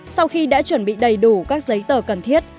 sau khi đã chuẩn bị đầy đủ các giấy tờ cần thiết